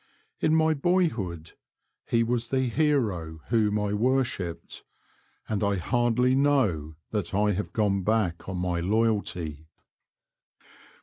In my boyhood he was the hero whom I worshipped, and I hardly know that I have gone back on my loyalty.